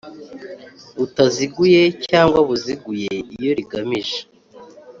Butaziguye cyangwa buziguye iyo rigamije